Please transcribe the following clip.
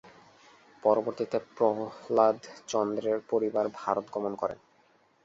পরবর্তীতে প্রহ্লাদ চন্দ্রের পরিবার ভারত গমন করে।